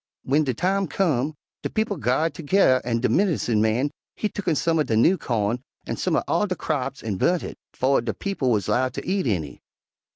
"W'en de time come, de people ga'rred toge'rr an' de medincin' man he tucken some er de new cawn an' some uv all de craps an' burnt hit, befo' de people wuz 'lowed ter eat any.